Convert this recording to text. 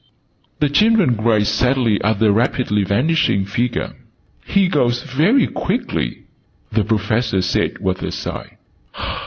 The children gazed sadly at the rapidly vanishing figure. "He goes very quick!" the Professor said with a sigh.